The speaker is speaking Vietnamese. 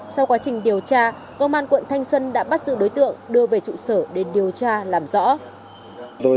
sau quá trình điều tra công an quận thanh xuân đã bắt giữ đối tượng đưa về trụ sở để điều tra làm rõ